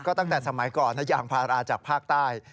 ตั้งแต่สมัยก่อนยางพาราจากภาคใต้